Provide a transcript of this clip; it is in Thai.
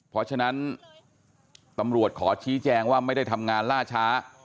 เพราะฉะนั้นตำรวจขอชี้แจงว่าไม่ได้ทำงานล่าช้า